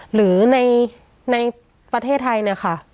หรือในประเทศไทยนะคะ